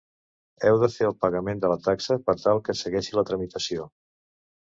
Heu de fer el pagament de la taxa per tal que segueixi la tramitació.